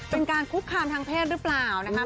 เป็นการคุกคามทางเพศหรือเปล่านะคะ